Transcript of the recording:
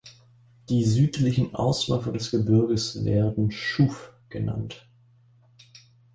Die südlichen Ausläufer des Gebirges werden Chouf genannt.